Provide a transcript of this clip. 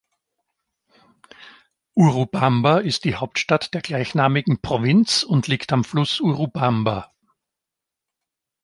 Urubamba ist Hauptstadt der gleichnamigen Provinz und liegt am Fluss Urubamba.